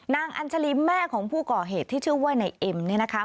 อัญชาลีแม่ของผู้ก่อเหตุที่ชื่อว่านายเอ็มเนี่ยนะคะ